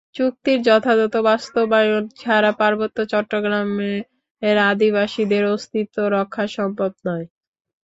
চুক্তির যথাযথ বাস্তবায়ন ছাড়া পার্বত্য চট্টগ্রামের আদিবাসীদের অস্তিত্ব রক্ষা সম্ভব নয়।